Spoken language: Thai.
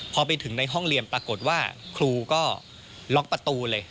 พอไปถึงในห้องเรียนปรากฏว่าครูก็ล็อกประตูเลย